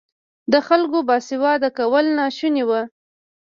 د خلکو باسواده کول ناشوني وو.